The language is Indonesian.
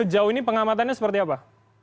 terus jauh ini pengamatannya seperti apa